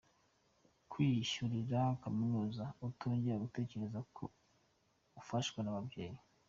kwiyishyurira kaminuza atongeye gutegereza ko afashwa n’ababyeyi”.